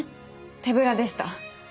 手ぶらでした。